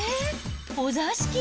お座敷？